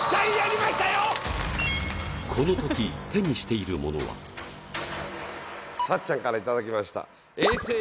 この時手にしているものはさっちゃんから頂きました。